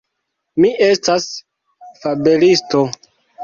Mi estas fabelisto.